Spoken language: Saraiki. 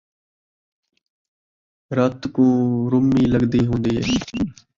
رت کوں رُمی لڳدی ہون٘دی ہے